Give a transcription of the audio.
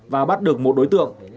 và bắt được một đối tượng